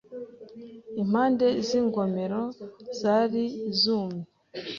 Impande z'ingomero zari zumye